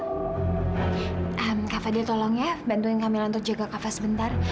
kak fadil tolong ya bantuin kak mila untuk jaga kak fadil sebentar